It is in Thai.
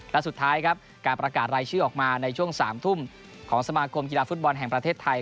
และสุดท้ายครับการประกาศรายชื่อออกมาในช่วง๓ทุ่มของสมาคมกีฬาฟุตบอลแห่งประเทศไทย